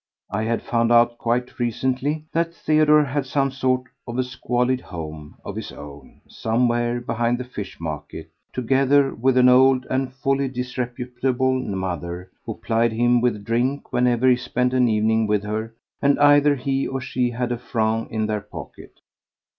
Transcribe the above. I had found out quite recently that Theodore had some sort of a squalid home of his own somewhere behind the fish market, together with an old and wholly disreputable mother who plied him with drink whenever he spent an evening with her and either he or she had a franc in their pocket.